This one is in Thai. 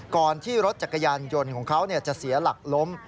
ก่อนที่รถจักรยานยนต์ของเขาจะเสียหลักล้ม